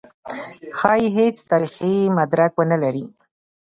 ښايي هېڅ تاریخي مدرک ونه لري.